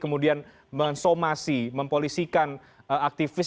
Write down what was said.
kemudian mensomasi mempolisikan aktivitas